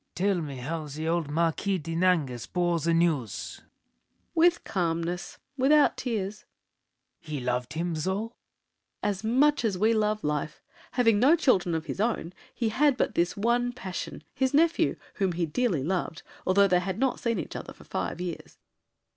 LAFFEMAS. Tell me how The old Marquis de Nangis bore the news. SAVERNY. With calmness, without tears. LAFFEMAS. He loved him though? SAVERNY. As much as we love life. Having no children Of his own he had but this one passion— His nephew, whom he dearly loved, although They had not seen each other for five years.